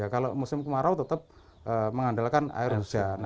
kalau musim kemarau tetap mengandalkan air hujan